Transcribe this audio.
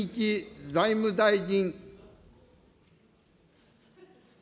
財務大臣。